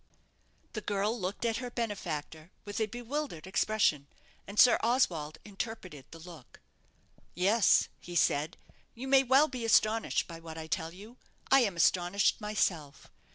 The girl looked at her benefactor with a bewildered expression, and Sir Oswald interpreted the look. "Yes," he said, "you may well be astonished by what I tell you. I am astonished myself.